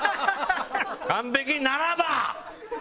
完璧ならば！